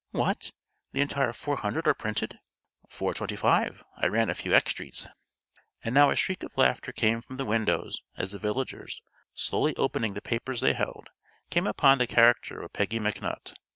"What! the entire four hundred are printed?" "Four twenty five. I run a few extrys." And now a shriek of laughter came from the windows as the villagers, slowly opening the papers they held, came upon the caricature of Peggy McNutt.